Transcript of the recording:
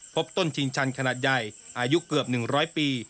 พบต้นชินชันขนาดใหญ่อายุเกือบ๑๐๐ปี